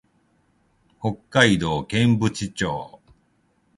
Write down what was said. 北海道剣淵町